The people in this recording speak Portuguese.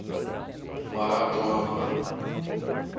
Marapoama